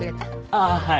ああはい。